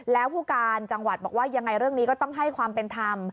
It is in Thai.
แล้วผู้การจังหวัดบอกว่ายังไงเรื่องนี้ก็ต้องให้ความเป็นธรรม